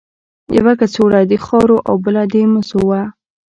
یوه کڅوړه د خاورو او بله د مسو وه.